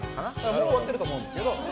もう終わってると思うんですけど。